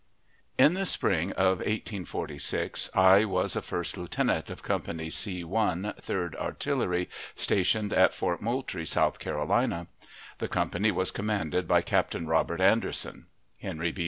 In the spring of 1846 I was a first lieutenant of Company C,1, Third Artillery, stationed at Fort Moultrie, South Carolina. The company was commanded by Captain Robert Anderson; Henry B.